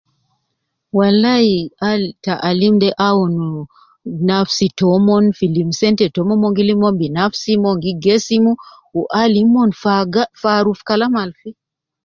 Walai al, ta alim de awunu nafsi tomon fi lim sente tomon, mon gi lim mon bi nafsi, mon gi gesimu, wu alim omon fi agara, fi aruf kalam al fi